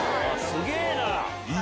すげぇな！